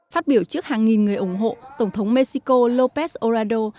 phát biểu trước hàng nghìn người ủng hộ tổng thống mexico lópez obrador